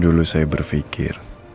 dulu saya berpikir